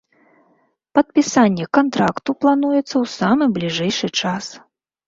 Падпісанне кантракту плануецца ў самы бліжэйшы час.